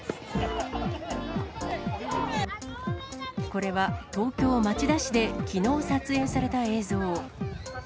これは東京・町田市できのう撮影された映像。